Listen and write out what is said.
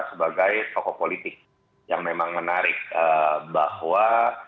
sebagai tokoh politik yang memang menarik bahwa